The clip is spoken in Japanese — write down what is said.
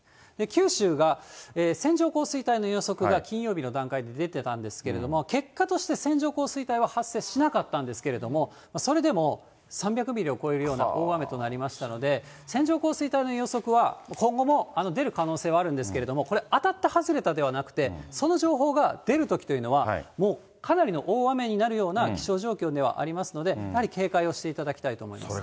九州が線状降水帯の予測が金曜日の段階で出てたんですけれども、結果として線状降水帯は発生しなかったんですけれども、それでも３００ミリを超えるような大雨となりましたので、線状降水帯の予測は今後も出る可能性はあるんですけれども、これ、当たった、外れたではなくて、その情報が出るときというのは、もうかなりの大雨になるような気象状況ではありますので、やはり警戒をしていただきたいと思います。